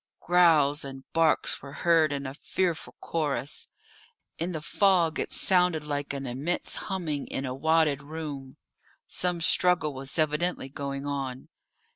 Growls and barks were heard in a fearful chorus. In the fog it sounded like an immense humming in a wadded room. Some struggle was evidently going on.